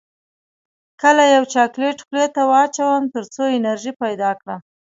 کله یو چاکلیټ خولې ته واچوم تر څو انرژي پیدا کړم